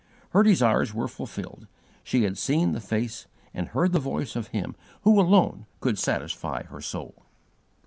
Her desires were fulfilled; she had seen the face and heard the voice of Him who alone could satisfy her soul.